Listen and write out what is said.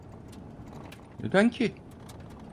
Neden ki?